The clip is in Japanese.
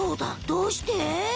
どうして？